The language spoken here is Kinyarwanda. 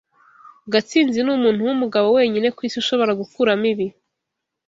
Gatsinzi numuntu wumugabo wenyine kwisi ushobora gukuramo ibi.